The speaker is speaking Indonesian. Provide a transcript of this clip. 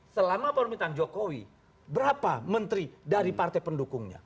selama pemerintahan jokowi berapa menteri dari partai pendukungnya